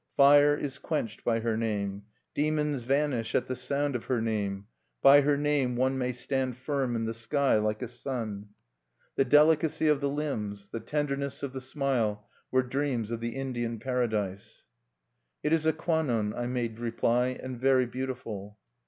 Fire is quenched by her name. Demons vanish at the sound of her name. By her name one may stand firm in the sky, like a sun...._ The delicacy of the limbs, the tenderness of the smile, were dreams of the Indian paradise. "It is a Kwannon," I made reply, "and very beautiful."